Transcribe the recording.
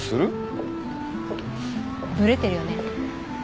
ブレてるよね。